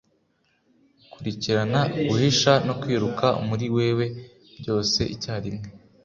kurikirana, guhisha, no kwiruka muri wewe, byose icyarimwe,